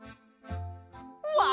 うわ！